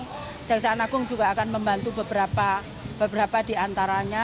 kejaksaan akung juga akan membantu beberapa diantaranya